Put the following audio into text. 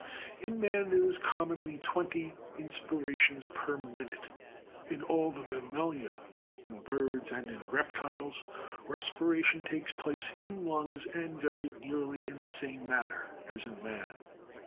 34. In man there is commonly twenty inspirations per minute. 35. In all the mammalia, in birds, and in reptiles, respiration takes place in lungs, and very nearly in the same manner as in man.